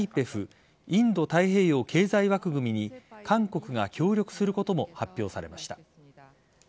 ＩＰＥＦ＝インド太平洋経済枠組みに韓国が協力することも発表されました。